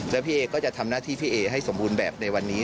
แล้วพี่เอก็จะทำหน้าที่พี่เอให้สมบูรณ์แบบในวันนี้